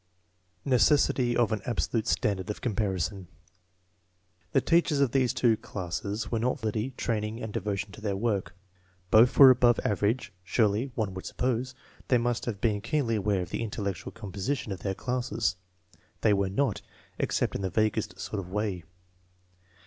Necessity of an absolute standard of comparison. The teachers of these two classes were not far from equal in ability, training, and devotion to their work. Both were above average. Surely, one would suppose, they must have been keenly aware of the intellectual composition of their classes. They were not, except in the vaguest sort of way.